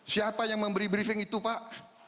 siapa yang memberi briefing itu pak